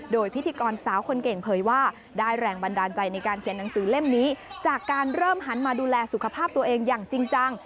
โดยพิธีกรสาวคนเก่งเผยว่าได้แรงบันดาลใจในการเขียนหนังสือเล่มนี้จากการเริ่มหันมาดูแลสุขภาพตัวเองอย่างจริงจัง